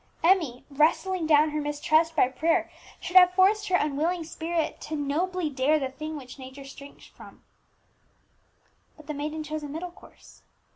Emmie, wrestling down her mistrust by prayer, should have forced her unwilling spirit to "nobly dare the thing which nature shrinks from." But the maiden chose a middle course.